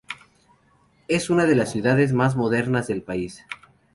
Es una de las ciudades más modernas del país.